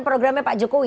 programnya pak jokowi